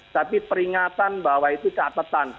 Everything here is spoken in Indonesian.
tapi peringatan bahwa itu catatan